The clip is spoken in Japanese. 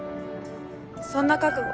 そんな覚悟